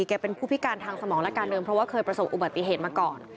เป็นผู้พิการทางสมองและการเดินเพราะว่าเคยประสบอุบัติเหตุมาก่อน